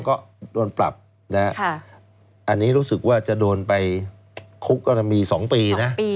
ก็โดนปรับอันนี้รู้สึกจะโดนไปคุกก็เรามี๒ปี